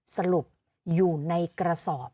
สรุปอยู่ในกระสอบ